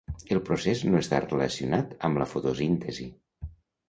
El procés no està relacionat amb la fotosíntesi.